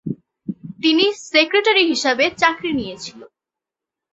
তিনি সেক্রেটারি হিসাবে চাকরি নিয়েছিল।